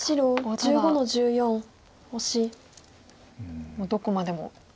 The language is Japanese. ただもうどこまでも。